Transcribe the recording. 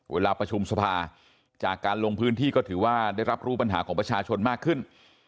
เวลาประชุมสภาจากการลงพื้นที่ก็ถือว่าได้รับรู้ปัญหาของประชาชนมากขึ้น